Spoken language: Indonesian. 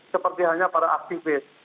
seperti hanya para aktivis